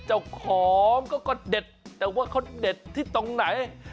เจ้าของก็เด็ดแต่ว่าเขาเด็ดที่ตรงไหน